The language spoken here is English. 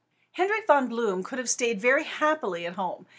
Hendrik Von Bloom could have stayed very happily at home.